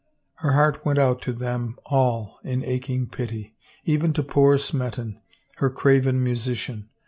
Her heart went out to them all in aching pity ; even to poor Smeton, her craven musi cian.